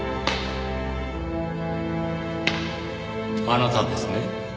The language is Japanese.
あなたですね？